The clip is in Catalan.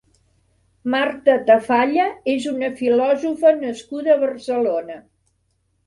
Marta Tafalla és una filòsofa nascuda a Barcelona.